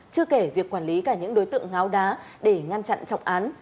chưa kể việc quản lý cả những đối tượng ngáo đá để ngăn chặn trọng án